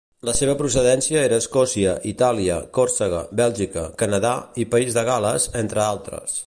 La seva procedència era Escòcia, Itàlia, Còrsega, Bèlgica, Canadà i País de Gal·les entre altres.